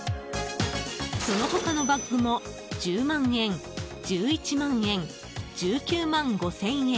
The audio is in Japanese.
その他のバッグも１０万円、１１万円１９万５０００円